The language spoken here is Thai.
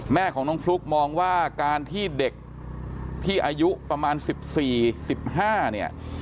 แม่ของน้องฟลุ๊กมองว่าการที่เด็กที่อายุประมาณ๑๔๑๕เนี่ย